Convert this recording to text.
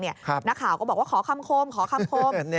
นักข่าวก็บอกว่าขอคำคมขอคำคม